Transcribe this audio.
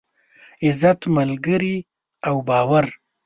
عزت، ملگري او باور.